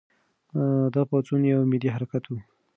دا پاڅون یو ملي حرکت و.